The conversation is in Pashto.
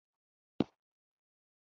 د مشرانو لومړیتوب د سیاسي ثبات ټینګښت و.